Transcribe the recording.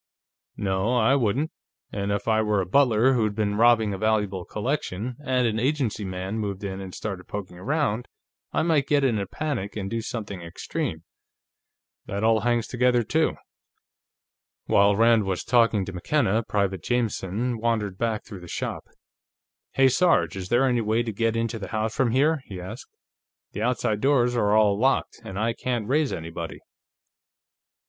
"No, I wouldn't. And if I were a butler who'd been robbing a valuable collection, and an agency man moved in and started poking around, I might get in a panic and do something extreme. That all hangs together, too." While Rand was talking to McKenna, Private Jameson wandered back through the shop. "Hey, Sarge, is there any way into the house from here?" he asked. "The outside doors are all locked, and I can't raise anybody."